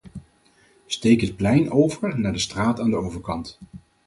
Steek het plein over naar de straat aan de overkant.